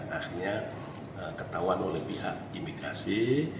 akhirnya ketahuan oleh pihak imigrasi